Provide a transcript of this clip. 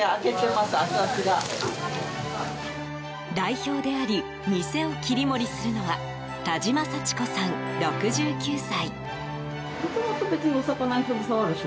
代表であり店を切り盛りするのは田島幸子さん、６９歳。